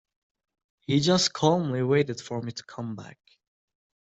He just calmly waited for me to come back.